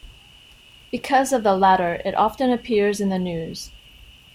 Because of the latter, it often appears in the news.